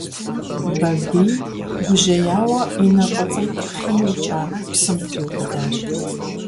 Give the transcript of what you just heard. Бабий гужьеяуэ и нэ фӀыцӀитӀыр хъийм икӀа псым триубыдащ.